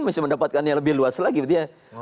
mungkin bisa mendapatkannya lebih luas lagi gitu ya